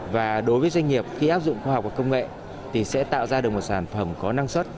và đối với doanh nghiệp khi áp dụng khoa học và công nghệ thì sẽ tạo ra được một sản phẩm có năng suất